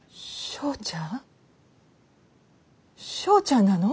正ちゃんなの？